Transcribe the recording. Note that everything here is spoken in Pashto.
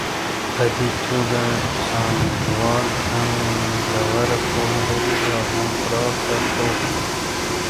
په دې توګه څانګوال هم ژوره پوهه لري او هم پراخه پوهه.